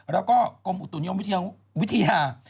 แล้วก็กรมอุตุนิยมวิทยา